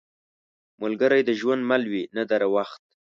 ملګری د ژوند مل وي، نه د وخت.